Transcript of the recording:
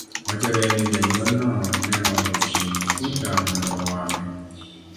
Wachore ni janyuolno ne oolo kuome mafuta mondo owang'e.